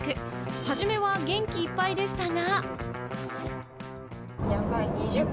初めは元気いっぱいでしたが。